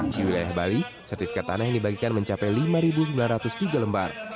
di wilayah bali sertifikat tanah yang dibagikan mencapai lima sembilan ratus tiga lembar